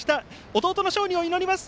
弟の勝利を祈ります